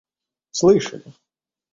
слышали